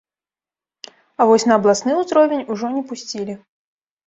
А вось на абласны ўзровень ужо не пусцілі.